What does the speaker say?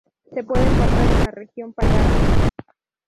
Se puede encontrar en la región paleártica.